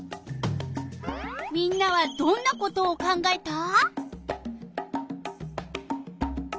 みんなはどんなことを考えた？